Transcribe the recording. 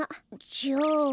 じゃあ。